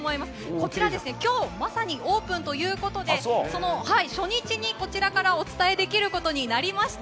こちら、今日まさにオープンということで初日に、こちらからお伝えできることになりました。